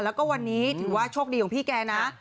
แล้วก็วันนี้ถือว่าโชคดีของพี่แกนะ